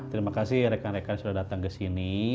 terima kasih rekan rekan sudah datang kesini